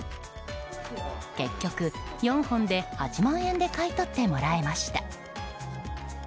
結局４本で８万円で買い取ってもらえました。